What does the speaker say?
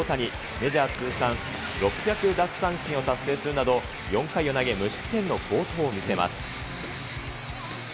メジャー通算６００奪三振を達成するなど、４回を投げ、無失点の好投を見せます。